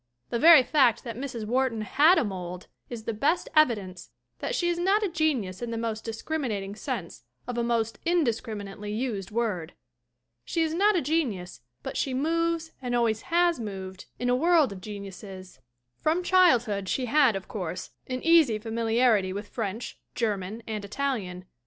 The very fact that Mrs. Wharton had a mold is the best evidence that she is not a genius in the most discriminating sense of a most indiscriminately used word. She is not a genius but she moves and always has moved in a world of geniuses. From childhood she had, of course, an easy familiarity with French, Ger man and Italian.